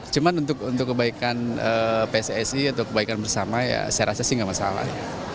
cuma untuk kebaikan pssi atau kebaikan bersama ya saya rasa sih nggak masalah